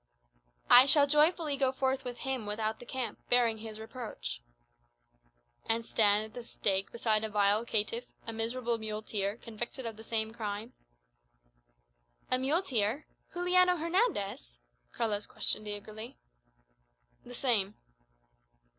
"I shall joyfully go forth with Him without the camp, bearing his reproach." "And stand at the stake beside a vile caitiff, a miserable muleteer, convicted of the same crimes?" "A muleteer? Juliano Hernandez?" Carlos questioned eagerly. "The same."